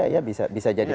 iya bisa jadi